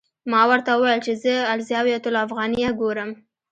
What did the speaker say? ما ورته وویل چې زه الزاویة الافغانیه ګورم.